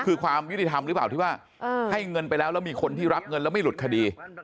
คือความยุติธรรมหรือเปล่าที่ว่าให้เงินไปแล้วแล้วมีคนที่รับเงินแล้วไม่หลุดคดี